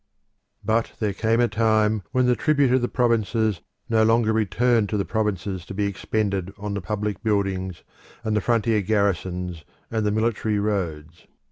But there came a time when the tribute of the provinces no longer returned to the provinces to be expended on the public buildings and the frontier garrisons and the military roads.